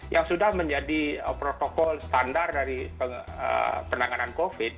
yang sudah menjadi protokol standar dari penanganan covid